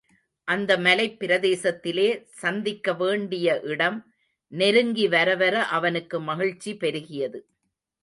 அந்த மலைப் பிரதேசத்திலே சந்திக்கவேண்டிய இடம் நெருங்கி வரவர அவனுக்கு மகிழ்ச்சி பெருகியது.